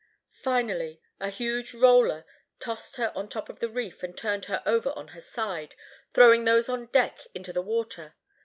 Finally, a huge roller tossed her on top of the reef and turned her over on her side, throwing those on deck into the water.